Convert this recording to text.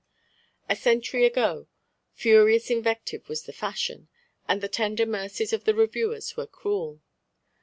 A century ago furious invective was the fashion, and the tender mercies of the reviewers were cruel.